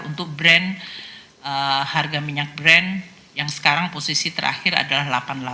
untuk brand harga minyak brand yang sekarang posisi terakhir adalah delapan puluh delapan